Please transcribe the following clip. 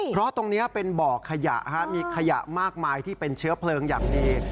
เพราะตรงนี้เป็นบ่อขยะมีขยะมากมายที่เป็นเชื้อเพลิงอย่างดี